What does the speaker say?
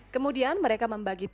kemudian mereka membangun kapal